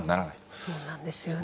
そうなんですよね。